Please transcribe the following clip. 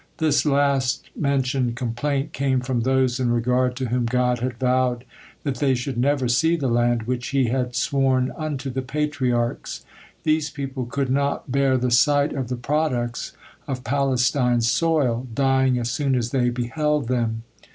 This last mentioned complaint came from those in regard to whom God had vowed that they should never see the land which He had sworn unto the Patriarchs. These people could not bear the sight of the products of Palestine's soil, dying as soon as they beheld them.